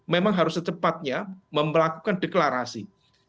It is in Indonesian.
memang harus secepatnya melakukan deklarasi